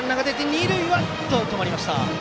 一塁で止まりました。